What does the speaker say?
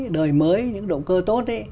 đời mới những động cơ tốt